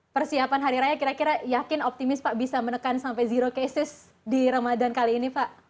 persiapan hari raya kira kira yakin optimis pak bisa menekan sampai zero cases di ramadan kali ini pak